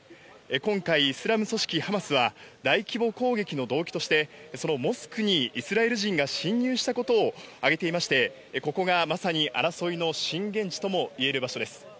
今回、イスラム組織ハマスは、大規模攻撃の動機として、そのモスクにイスラエル人が侵入したことを挙げていまして、ここがまさに争いの震源地ともいえる場所です。